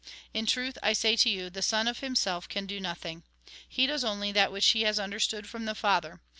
In truth, I say to you, the Son of himself can do nothing. He does only that which he has understood from the Father.